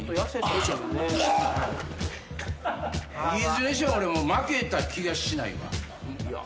いずれにしても俺負けた気がしないわ。